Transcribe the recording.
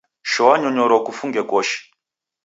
Shoa nyororo kufunge koshi